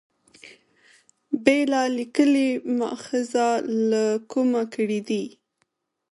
بېله لیکلي مأخذه له کومه کړي دي.